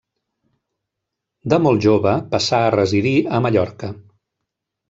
De molt jove passà a residir a Mallorca.